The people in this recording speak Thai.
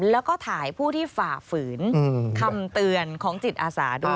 แล้วก็ถ่ายผู้ที่ฝ่าฝืนคำเตือนของจิตอาสาด้วย